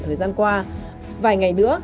thời gian qua vài ngày nữa